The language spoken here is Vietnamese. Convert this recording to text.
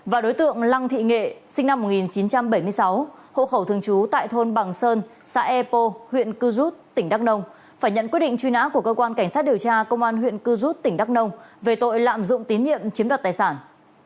và đối tượng lăng thị nghệ sinh năm một nghìn chín trăm bảy mươi sáu hộ khẩu thường trú tại thôn bằng sơn xã epo huyện cư rút tỉnh đắk nông phải nhận quyết định truy nã của cơ quan cảnh sát điều tra công an huyện cư rút tỉnh đắk nông về tội lạm dụng tín nhiệm chiếm đoạt tài sản